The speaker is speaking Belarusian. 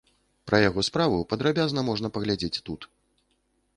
Пра яго справу падрабязна можна паглядзець тут.